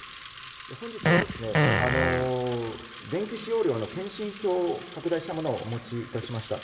本日はですね、電気使用量の検針票を拡大したものをお持ちいたしました。